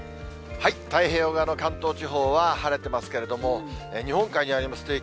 太平洋側の関東地方は、晴れてますけれども、日本海にあります